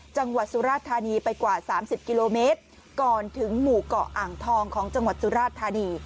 จังหวัดสุราธานีไปกว่า๓๐กิโลเมตรก่อนถึงหมู่เกาะอ่างทองของจังหวัดสุราชธานี